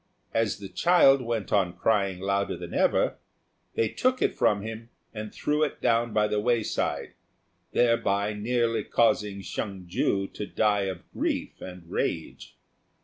As the child went on crying louder than ever, they took it from him and threw it down by the wayside, thereby nearly causing Hsiang ju to die of grief and rage.